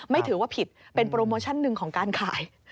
ไม่ถือว่าผิดเป็นโปรโมชั่นหนึ่งของการขาย